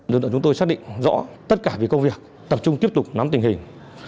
đối tượng chúng tôi xác định rõ tất cả về công việc tập trung tiếp tục nắm tình hình